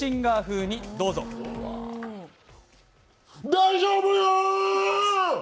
大丈夫よー！！